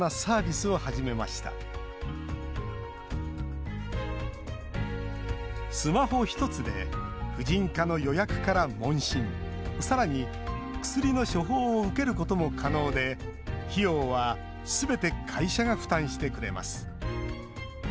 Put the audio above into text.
スマホ１つで婦人科の予約から問診さらに薬の処方を受けることも可能で費用はすべて会社が負担してくれます。